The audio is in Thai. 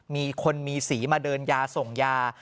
มีคนมีสีมาเดินยาส่งยา